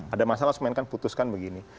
ada masalah langsung main kan putuskan begini